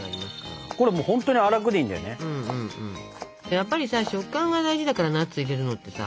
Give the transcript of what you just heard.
やっぱりさ食感が大事だからナッツ入れるのってさ。